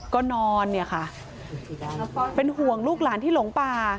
ก็นอนเนี่ยค่ะเป็นห่วงลูกหลานที่หลงป่า